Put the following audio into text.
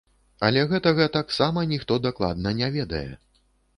Але гэтага таксама ніхто дакладна не ведае.